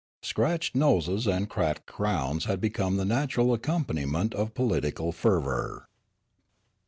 Scratched noses and cracked crowns had become the natural accompaniment of political fervour.